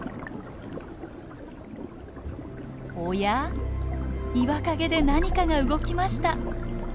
おやっ岩陰で何かが動きました。